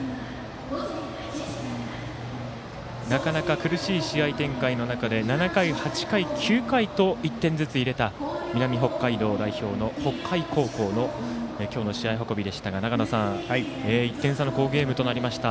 なかなか、苦しい試合展開の中で７、８、９回と１点ずつ入れた南北海道代表の北海高校の今日の試合運びでしたが１点差の好ゲームとなりました。